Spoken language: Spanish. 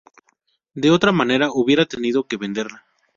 De otra manera hubiera tenido que venderla.